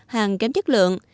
hàng kém chất lượng